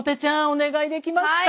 お願いできますか？